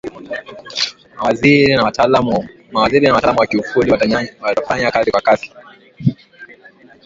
mawaziri na wataalamu wa kiufundi watafanya kazi kwa kasi